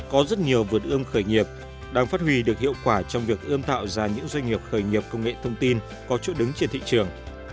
có rất nhiều vườn ươm khởi nghiệp đang phát huy được hiệu quả trong việc ươm tạo ra những doanh nghiệp khởi nghiệp công nghệ thông tin có chỗ đứng trên thị trường